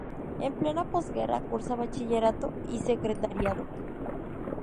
En plena posguerra, cursa bachillerato y secretariado.